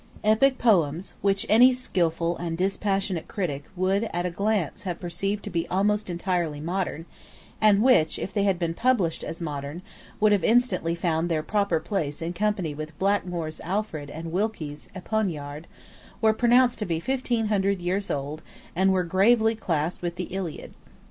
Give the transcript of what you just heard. Epic poems, which any skilful and dispassionate critic would at a glance have perceived to be almost entirely modern, and which, if they had been published as modern, would have instantly found their proper place in company with Blackmore's Alfred and Wilkie's Epigoniad, were pronounced to be fifteen hundred years old, and were gravely classed with the Iliad.